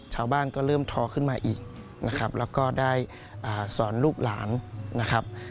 ชาวบ้านก็เริ่มทอขึ้นมาอีกนะครับแล้วก็ได้สอนลูกหลานนะครับ